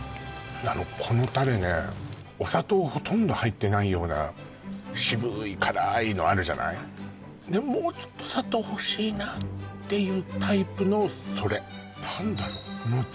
このタレねお砂糖ほとんど入ってないような渋ーい辛ーいのあるじゃないでもうちょっと砂糖欲しいなっていうタイプのそれ何だろう